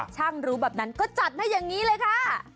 ช่างรู้แบบนั้นก็จัดให้อย่างนี้เลยค่ะ